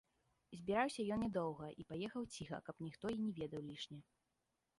Збіраўся ён не доўга і паехаў ціха, каб ніхто і не ведаў лішне.